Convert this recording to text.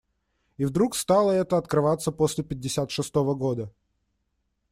И вдруг стало это открываться после пятьдесят шестого года